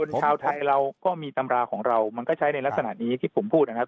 ชาวไทยเราก็มีตำราของเรามันก็ใช้ในลักษณะนี้ที่ผมพูดนะครับ